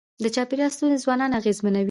د چاپېریال ستونزې ځوانان اغېزمنوي.